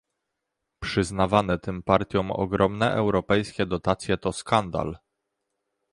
Przyznawane tym partiom ogromne europejskie dotacje to skandal